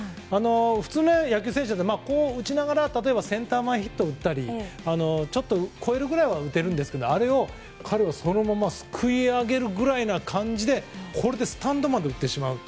普通の野球選手なら打ちながらセンター前ヒットを打ったりちょっと超えるぐらいは打てますが、彼はそのまますくい上げるぐらいの感じでスタンドまで行ってしまう。